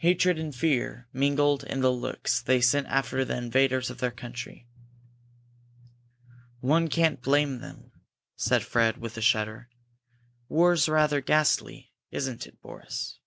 Hatred and fear mingled in the looks they sent after the invaders of their country. "One can't blame them," said Fred, with a shudder. "War's rather ghastly, isn't it, Boris?"